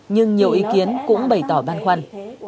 nhưng nhiều ý kiến cũng bày tỏ băn khoăn